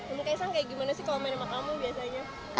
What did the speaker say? ibu kaisang kayak gimana sih kalau main sama kamu biasanya